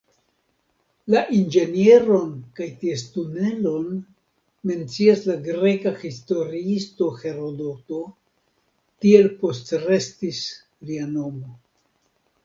La inĝenieron kaj ties tunelon mencias la greka historiisto Herodoto, tiel postrestis lia nomo.